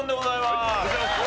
お願いします。